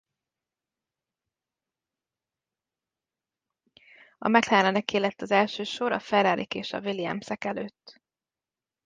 A McLareneké lett az első sor a Ferrarik és a Williamsek előtt.